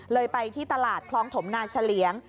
ไปที่ตลาดคลองถมนาเฉลี่ยง